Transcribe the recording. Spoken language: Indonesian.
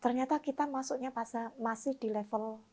ternyata kita masuknya masih di level